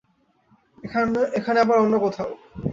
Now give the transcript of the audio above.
এখানে আবার অন্য কোথাও।